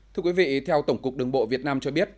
thưa quý vị theo tổng cục đường bộ việt nam cho biết